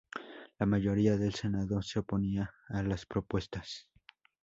La mayoría del Senado se oponía a las propuestas.